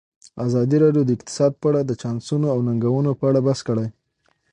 ازادي راډیو د اقتصاد په اړه د چانسونو او ننګونو په اړه بحث کړی.